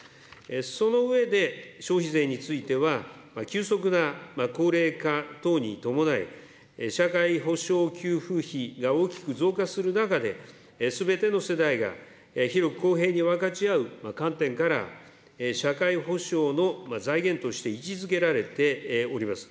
その上で、消費税については急速な高齢化等に伴い、社会保障給付費が大きく増加する中で、すべての世代が広く公平に分かち合う観点から、社会保障の財源として位置づけられております。